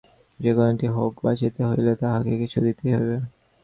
যে-কোনজাতিই হউক, বাঁচিতে হইলে তাহাকে কিছু দিতেই হইবে।